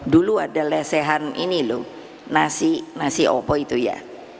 dulu ada lesehan ini loh nasi nasi opo itu ya